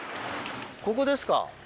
ここですか。